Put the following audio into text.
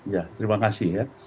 ya terima kasih ya